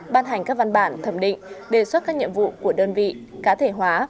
ban hành các văn bản thẩm định đề xuất các nhiệm vụ của đơn vị cá thể hóa